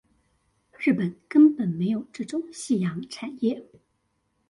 日本根本沒有這種夕陽產業